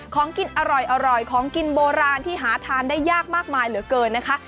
ของกินอร่อยของกินโบราณที่หาทานได้ยากมากมายเหลือเกินนะคะ